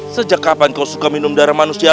ternyata kau bukan manusia